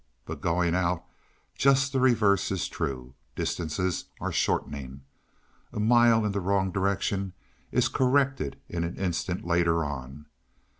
But going out, just the reverse is true; distances are shortening. A mile in the wrong direction is corrected in an instant later on.